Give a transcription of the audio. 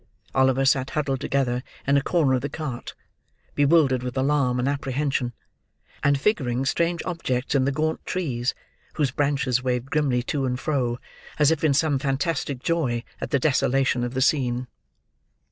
Oliver sat huddled together, in a corner of the cart; bewildered with alarm and apprehension; and figuring strange objects in the gaunt trees, whose branches waved grimly to and fro, as if in some fantastic joy at the desolation of the scene.